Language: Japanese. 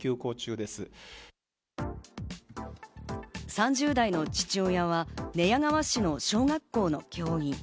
３０代の父親は寝屋川市の小学校の教員。